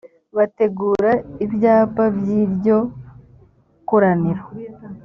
bategura ibyapa by’ iryo koraniro